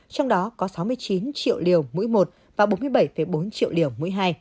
trong đó có sáu mươi chín triệu liều mũi một và bốn mươi bảy bốn triệu liều